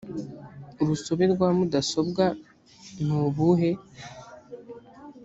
urusobe rwa mudasobwa nubuhe